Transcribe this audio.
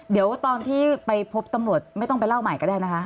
เดี๋ยวตอนที่ไปพบตำรวจไม่ต้องไปเล่าใหม่ก็ได้นะคะ